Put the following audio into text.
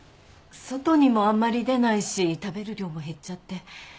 外にもあんまり出ないし食べる量も減っちゃって。